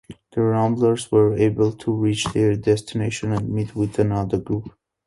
The ramblers were able to reach their destination and meet with another group.